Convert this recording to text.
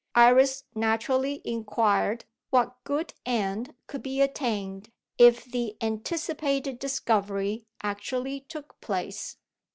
Iris naturally inquired what good end could be attained, if the anticipated discovery actually took place.